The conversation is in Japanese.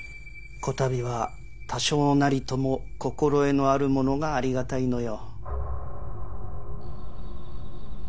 こたびは多少なりとも心得のあるものがありがたいのよ。